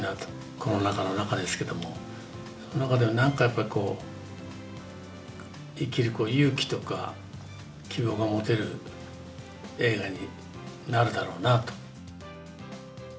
コロナ禍の中ですけれども、その中でなんかやっぱその、生きる勇気とか、希望が持てる映画になるだろうなと。